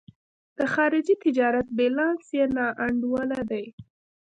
د خارجي تجارت بیلانس یې نا انډوله دی.